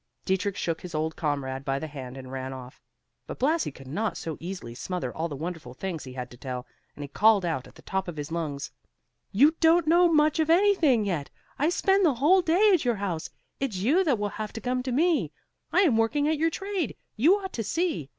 Dietrich shook his old comrade by the hand and ran off. But Blasi could not so easily smother all the wonderful things he had to tell, and he called out at the top of his lungs, "You don't know much of anything yet! I spend the whole day at your house; it's you that will have to come to me. I am working at your trade; you ought to see!